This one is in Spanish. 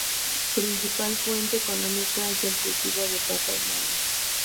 Su principal fuente económica es el cultivo de papa y maíz.